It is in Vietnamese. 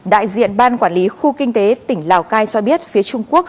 đại diện ban quản lý khu kinh tế tỉnh lào cai cho biết phía trung quốc